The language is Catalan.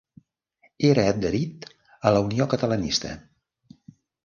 Era adherit a la Unió Catalanista.